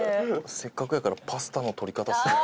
せっかくやからパスタの取り方する。